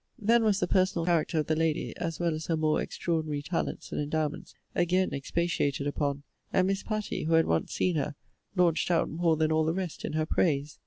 Then was the personal character of the lady, as well as her more extraordinary talents and endowments again expatiated upon: and Miss Patty, who had once seen her, launched out more than all the rest in her praise.